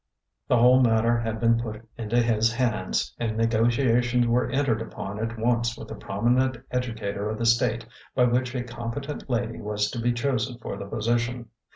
The whole matter had been put into his hands, and ne gotiations were entered upon at once with a prominent educator of the State by which a competent lady was to be chosen for the position.